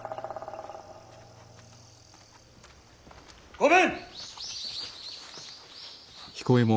御免！